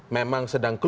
memang sedang kerja